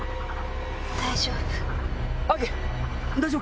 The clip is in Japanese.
大丈夫。